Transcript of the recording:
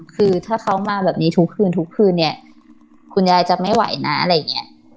คือถ้าเขามาแบบนี้ทุกคืนทุกคืนเนี่ยคุณยายจะไม่ไหวนะอะไรอย่างเงี้ย